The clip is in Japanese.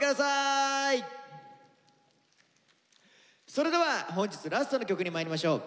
それでは本日ラストの曲にまいりましょう。